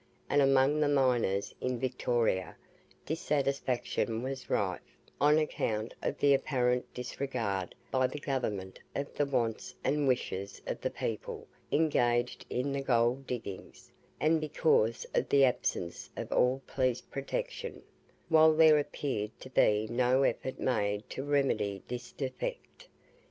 and among the miners in Victoria, dissatisfaction was rife, on account of the apparent disregard by the Government of the wants and wishes of the people engaged in the gold diggings, and because of the absence of all police protection, while there appeared to be no effort made to remedy this defect.